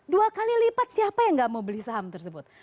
dua kali lipat siapa yang nggak mau beli saham tersebut